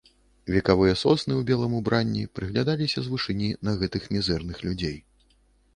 Векавыя сосны ў белым убранні прыглядаліся з вышыні на гэтых мізэрных людзей.